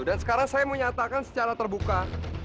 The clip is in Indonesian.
dan sekarang saya mau nyatakan secara terbuka